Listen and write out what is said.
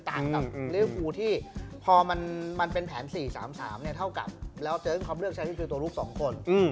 แต่กับเรื่องที่พอมันเป็นแผน๔๓๓เนี่ยเท่ากับแล้วเจอกับความเลือกใช้ที่คือตัวลูก๒คน